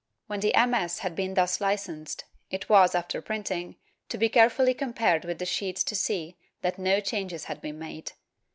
When a MS. had been thus hcensed, it was, after printing, to be carefully compared with the sheets to see that no changes had been made.